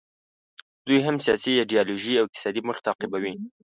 دوی هم سیاسي، ایډیالوژیکي او اقتصادي موخې تعقیبوي.